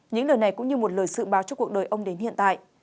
những lời này cũng như một lời dự báo cho cuộc đời ông đến hiện tại